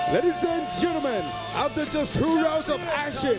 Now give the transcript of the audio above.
ท่านผู้ชมอัพเตอร์เจอส๒ราวน์ของแอคชั่น